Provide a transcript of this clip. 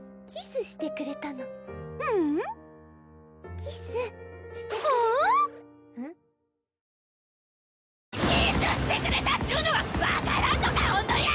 キスしてくれたっちゅうのが分からんのかおんどりゃあ！